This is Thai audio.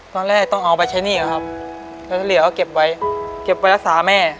ตอนแรกต้องเอาไปใช้หนี้ครับแล้วที่เหลือก็เก็บไว้เก็บไว้รักษาแม่